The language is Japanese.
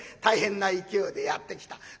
大変な勢いでやって来た。